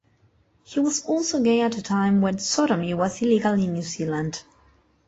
He was also gay at a time when sodomy was illegal in New Zealand.